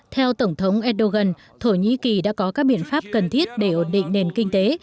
theo tổng thống erdogan thổ nhĩ kỳ đã có các biện pháp cần thiết để ổn định nền kinh tế